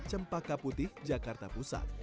cempaka putih jakarta pusat